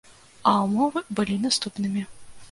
А ўмовы былі наступнымі.